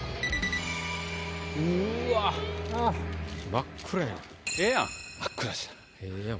真っ暗やん。